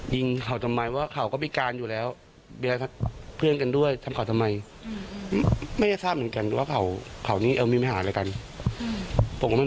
ยิงข่าวทำไมว่าข่าวก็พิการอยู่แล้วเบี่ยนเพื่อนกันด้วยทำข่าวทำไม